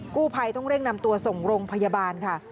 กู้ภัยต้องเร่งนำตัวส่งโรงพยาบาลค่ะ